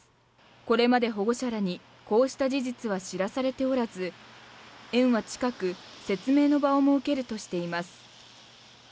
これまで保護者らにこうした事実は知らされておらず園は近く説明の場を設けるとしています